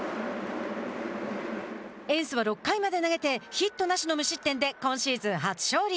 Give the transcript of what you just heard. エンスは６回まで投げてヒットなしの無失点で今シーズン初勝利。